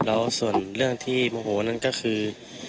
แล้วส่วนเรื่องที่โมโหนั่นก็คือ